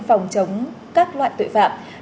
phòng chống các loại tội phạm